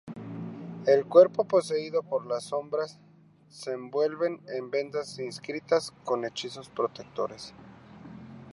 El cuerpo, poseído por las sombras, se envuelve en vendas inscritas con hechizos protectores.